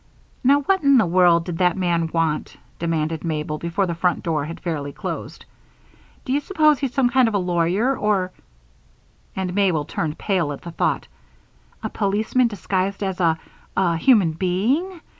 "Now what in the world did that man want?" demanded Mabel, before the front door had fairly closed. "Do you s'pose he's some kind of a lawyer, or " and Mabel turned pale at the thought "a policeman disguised as a a human being?